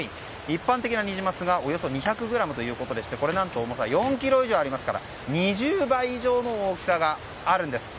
一般的なニジマスがおよそ２００ｇということでこれ何と重さが４ｋｇ以上ありますから２０倍以上の大きさがあるんです。